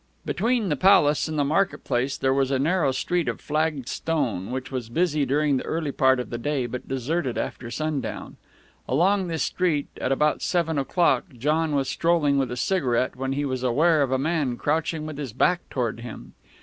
Between the Palace and the market place there was a narrow street of flagged stone, which was busy during the early part of the day but deserted after sundown. Along this street, at about seven o'clock, John was strolling with a cigarette, when he was aware of a man crouching, with his back toward him.